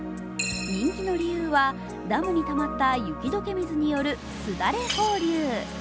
人気の理由はダムにたまった雪解け水によるすだれ放流。